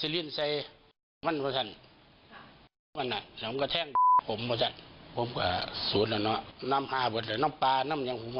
ลองให้ไหมครับ